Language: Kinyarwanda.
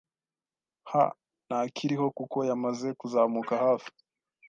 h ntakiriho kuko yamaze kuzamuka hafi